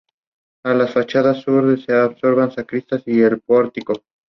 Pertenece al partido judicial de Vitigudino y a la Mancomunidad Centro Duero.